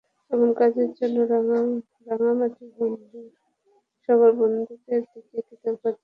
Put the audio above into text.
এমন কাজের জন্য রাঙামাটি বন্ধুসভার বন্ধুদের দিকে কৃতজ্ঞতা ভরে চেয়ে থাকি।